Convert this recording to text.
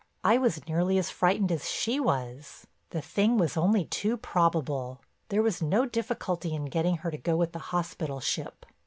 I was nearly as frightened as she was—the thing was only too probable. There was no difficulty in getting her to go with the hospital ship.